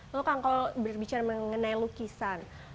lalu kang kalau berbicara mengenai lukisan